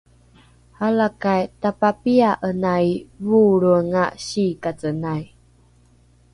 alakai tapapia’enai voolroenga siikacenai